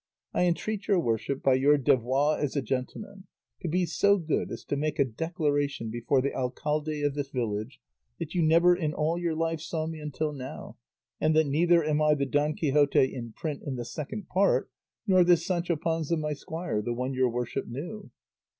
I entreat your worship by your devoir as a gentleman to be so good as to make a declaration before the alcalde of this village that you never in all your life saw me until now, and that neither am I the Don Quixote in print in the Second Part, nor this Sancho Panza, my squire, the one your worship knew."